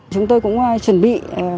chúng tôi cũng chuẩn bị